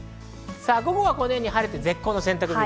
午後はこのように晴れて絶好の洗濯日和。